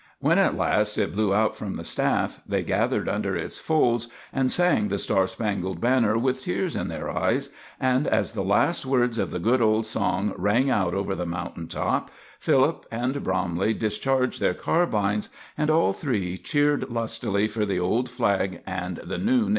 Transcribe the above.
When at last it blew out from the staff, they gathered under its folds, and sang "The Star spangled Banner" with tears in their eyes; and as the last words of the good old song rang out over the mountain top, Philip and Bromley discharged their carbines, and all three cheered lustily for the old flag and the new name.